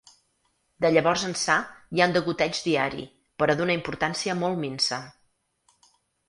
De llavors ençà hi ha un degoteig diari, però d’una importància molt minsa.